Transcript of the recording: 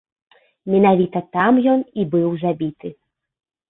Менавіта там ён і быў забіты.